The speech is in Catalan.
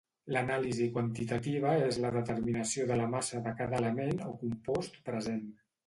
L’anàlisi quantitativa és la determinació de la massa de cada element o compost present.